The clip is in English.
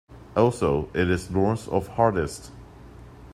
Also it is north of Hartest.